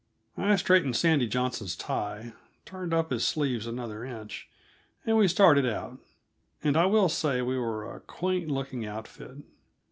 I straightened Sandy Johnson's tie, turned up his sleeves another inch, and we started out. And I will say we were a quaint looking outfit.